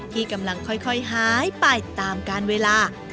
ที่กำลังค่อยหายไปตามการเวลา